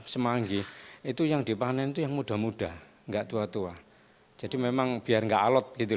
semanggi itu yang dipanen itu yang muda muda enggak tua tua jadi memang biar enggak alot gitu